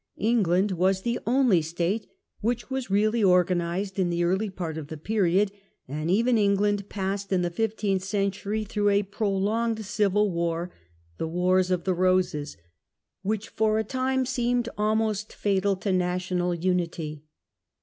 England was the only state which was really organised in the early part of the period : and even England passed in the fifteenth century through a prolonged civil war — the Wars of the lioses — which for a time rNTRODUCTION vii seemed almost fatal to national unity.